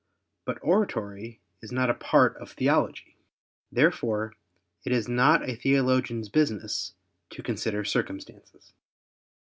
But oratory is not a part of theology. Therefore it is not a theologian's business to consider circumstances.